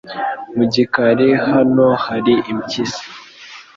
Mu gikari Hano hari impyisi.